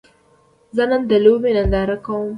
زه نن د لوبې ننداره کوم